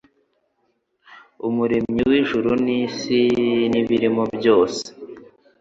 Umuremyi w’ijuru n’isi n’ibirimo byose,